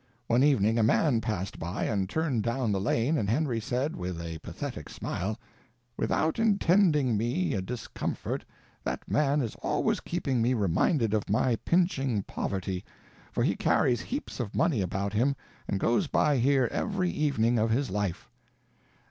One evening a man passed by and turned down the lane, and Henry said, with a pathetic smile, "Without intending me a discomfort, that man is always keeping me reminded of my pinching poverty, for he carries heaps of money about him, and goes by here every evening of his life."